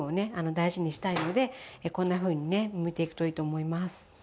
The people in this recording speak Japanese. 大事にしたいのでこんなふうにねむいていくといいと思います。